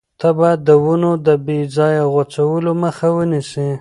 ته باید د ونو د بې ځایه غوڅولو مخه ونیسې.